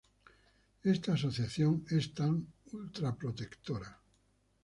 esta asociación es tan ultraprotectora